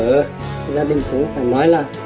và gia đình cũng phải nói là